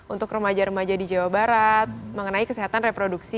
untuk remaja remaja di jawa barat mengenai kesehatan reproduksi